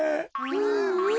うんうん。